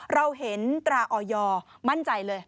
เราเห็นตราออยมั่นใจเลย